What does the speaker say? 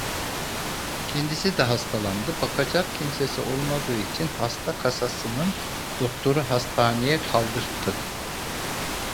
Kendisi de hastalandı, bakacak kimsesi olmadığı için hasta kasasının doktoru hastaneye kaldırttı!